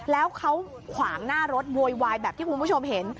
แล้วเขาขวางหน้ารถโวยวายแบบที่คุณผู้ชมเห็น